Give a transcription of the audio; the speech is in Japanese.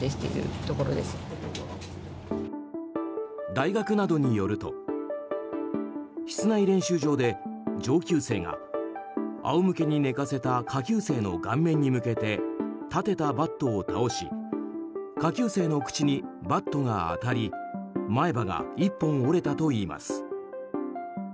大学などによると室内練習場で上級生があおむけに寝かせた下級生の顔面に向けて立てたバットを倒し下級生の口にバットが当たり前歯が１本折れたといいます。